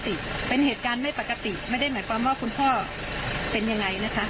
ตอนนี้คือแทฟที่เข้ามาสนุนแล้วใช่ไหมครับ